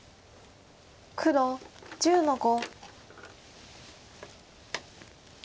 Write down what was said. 黒１０の五。